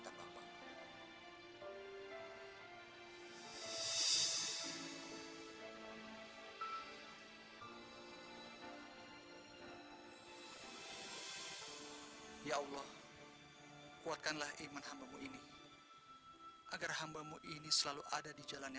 sampai jumpa di video selanjutnya